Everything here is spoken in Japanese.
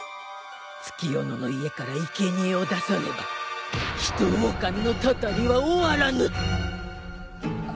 月夜野の家からいけにえを出さねばヒトオオカミのたたりは終わらぬ。